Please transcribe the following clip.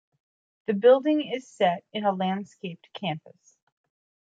The building is set in a landscaped campus.